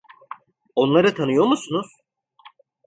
Onları tanıyor musunuz?